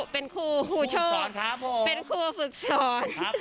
เป็นครูครูชอบเป็นครูฝึกสอนครับ